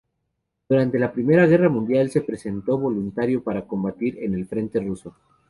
Durante la Primera Guerra Mundial se presentó voluntario para combatir en el frente ruso.